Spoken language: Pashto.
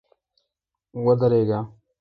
ودرېږه!